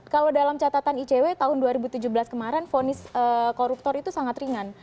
kalau dalam catatan icw tahun dua ribu tujuh belas kemarin vonis koruptor itu sangat ringan